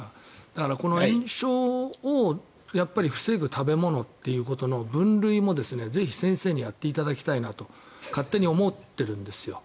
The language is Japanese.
だから、この炎症を防ぐ食べ物ということの分類もぜひ、先生にやっていただきたいなと勝手に思っているんですよ。